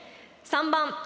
３番！